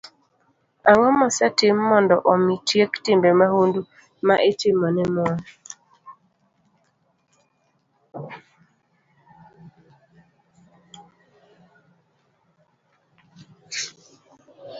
Ang'o mosetim mondo omi tiek timbe mahundu ma itimo ne mon?